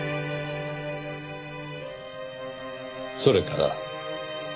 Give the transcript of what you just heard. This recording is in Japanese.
それから？